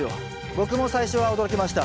僕も最初は驚きました。